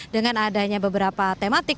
dengan adanya beberapa tematik